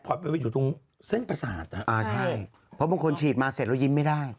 เพราะบางคนฉีดมาเสร็จแล้วยิ้มไม่ได้